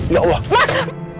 ya allah mas